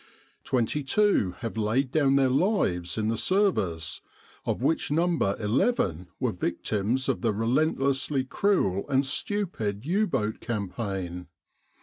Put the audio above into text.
Twenty two have laid down their lives in the Service, of which number eleven were victims of the relentlessly cruel and stupid U Boat campaign.